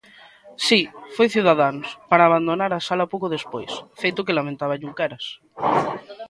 Si, foi Ciudadanos, para abandonar a sala pouco despois, feito que lamentaba Junqueras.